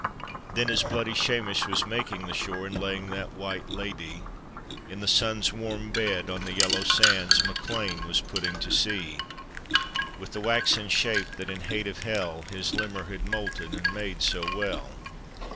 Then as bloody Shamesh was making the shore, And laying that white ladye In the sun's warm bed on the yellow sands, MacLean was putting to sea "With the waxen shape that in hate of hell His limmer had molten and made so well.